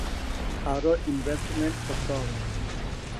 আরও ইনভেস্টমেন্ট করতে হবে।